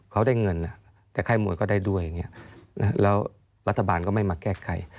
เขาได้เงินแต่ค่ายมวยก็ได้ด้วยอย่างนี้แล้วรัฐบาลก็ไม่มาแก้ไข